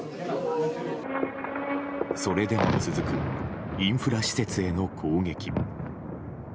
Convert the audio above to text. それでも続くインフラ施設への攻撃。